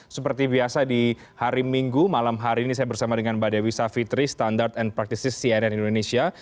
seperti biasa di hari minggu malam hari ini saya bersama dengan mbak dewi savitri standard and practices cnn indonesia